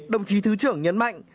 đồng chí thứ trưởng nhấn mạnh